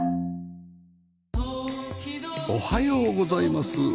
おはようございます。